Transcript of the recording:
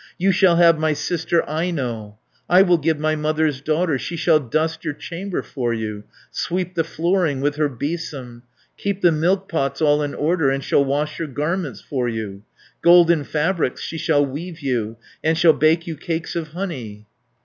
You shall have my sister Aino, I will give my mother's daughter. 460 She shall dust your chamber for you, Sweep the flooring with her besom, Keep the milk pots all in order; And shall wash your garments for you. Golden fabrics she shall weave you, And shall bake you cakes of honey."